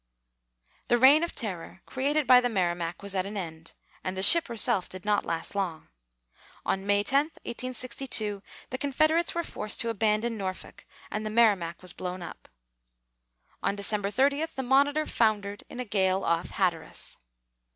The reign of terror created by the Merrimac was at an end, and the ship herself did not last long. On May 10, 1862, the Confederates were forced to abandon Norfolk, and the Merrimac was blown up. On December 30 the Monitor foundered in a gale off Hatteras.